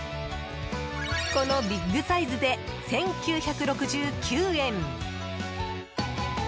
このビッグサイズで１９６９円。